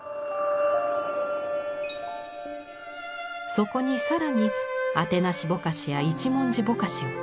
そこに更にあてなしぼかしや一文字ぼかしを重ね